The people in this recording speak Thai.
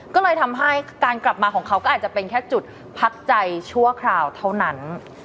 ก็เลยทำให้การกลับมาของเขาก็อาจจะเป็นแค่จุดพักใจชั่วคราวเท่านั้น